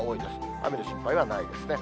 雨の心配はないですね。